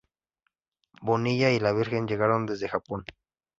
Bonilla y la Virgen llegaron desde Japón.